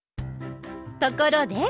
ところで！